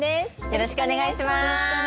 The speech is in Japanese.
よろしくお願いします。